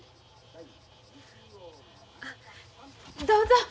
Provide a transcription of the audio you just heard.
どうぞ。